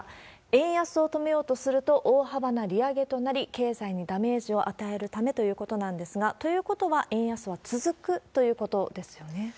円安を止めようとすると大幅な利上げとなり、経済にダメージを与えるためということなんですが、ということは、そうですね。